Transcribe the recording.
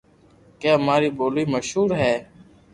ڪي امري ٻولو مݾھور ھي